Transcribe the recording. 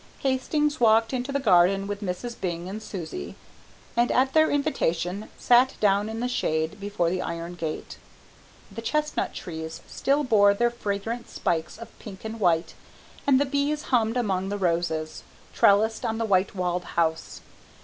Hastings walked into the garden with Mrs. Byng and Susie, and, at their invitation, sat down in the shade before the iron gate. The chestnut trees still bore their fragrant spikes of pink and white, and the bees hummed among the roses, trellised on the white walled house.